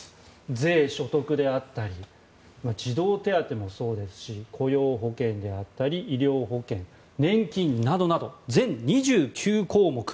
税・所得であったり児童手当もそうですし雇用保険であったり医療保険、年金などなど全２９項目。